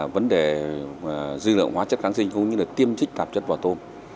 vấn đề dư lượng hóa chất kháng sinh cũng như tiêm trích tạp chất vào tôm